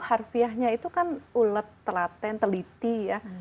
harfiahnya itu kan ulet telaten teliti ya